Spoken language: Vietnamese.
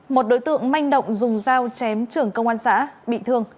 một đối tượng manh động dùng dao chém trưởng công an xã bị thương